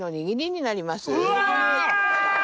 うわ！